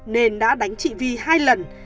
nên đã đánh chị vy hai lần